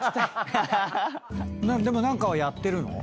でも何かはやってるの？